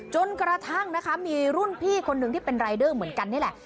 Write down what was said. จนกระทั่งนะคะมีรุ่นพี่คนนึงที่เป็นรายเดอร์เหมือนกันนี่แหละ